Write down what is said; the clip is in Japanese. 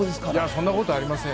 そんなことありません。